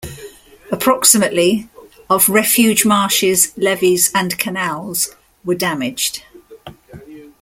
Approximately of refuge marshes, levees, and canals were damaged.